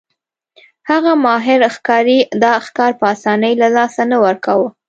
هغه ماهر ښکاري دا ښکار په اسانۍ له لاسه نه ورکاوه.